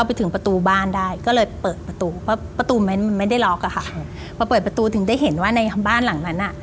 พอเปิดประตูถึงได้เห็นว่าในบ้านหลังนั้น